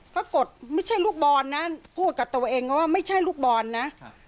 ปรากฏไม่ใช่ลูกบอลนะพูดกับตัวเองว่าไม่ใช่ลูกบอลนะ